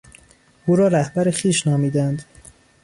او را رهبر خویش نامیدند.